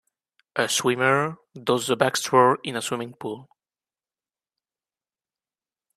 A swimmer does the backstroke in a swimming pool.